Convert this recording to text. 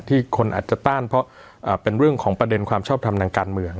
คนอาจจะต้านเพราะเป็นเรื่องของประเด็นความชอบทำทางการเมือง